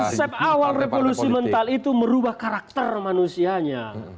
konsep awal revolusi mental itu merubah karakter manusianya